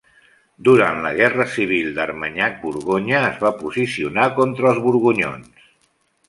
Durant la Guerra Civil d"Armagnac-Borgonya, es va posicionar contra els borgonyons.